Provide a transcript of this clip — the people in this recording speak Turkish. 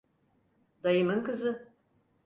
Dayımın kızı…